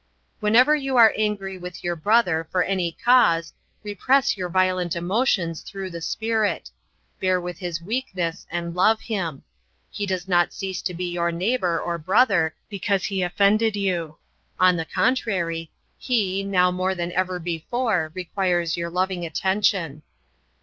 Whenever you are angry with your brother for any cause, repress your violent emotions through the Spirit. Bear with his weakness and love him. He does not cease to be your neighbor or brother because he offended you. On the contrary, he now more than ever before requires your loving attention.